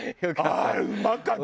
あれうまかった！